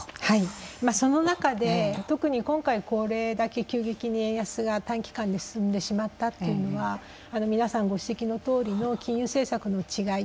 その中で特に今回これだけ急激に円安が短期間で進んでしまったというのは皆さんご指摘のとおりの金融政策の違い